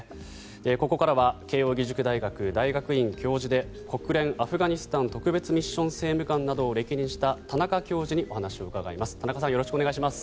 ここからは慶応義塾大学大学院教授で国連アフガニスタン特別ミッション政務官などを歴任した田中教授にお話をお伺いします。